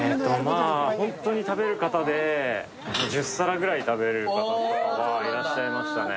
本当に食べる方で１０皿ぐらい食べる方とかいらっしゃいましたね。